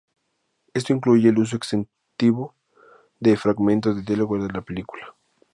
Esto incluye el uso extensivo de fragmentos de diálogo de la película.